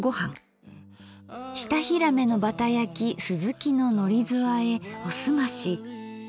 舌ひらめのバタ焼きすずきののりずあえおすまし。